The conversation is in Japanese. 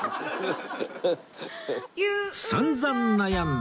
散々悩んだ